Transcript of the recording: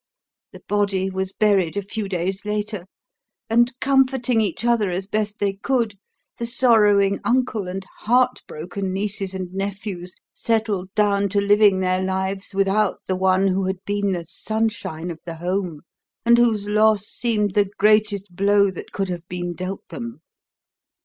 The body was buried a few days later, and, comforting each other as best they could, the sorrowing uncle and heart broken nieces and nephews settled down to living their lives without the one who had been the sunshine of the home, and whose loss seemed the greatest blow that could have been dealt them.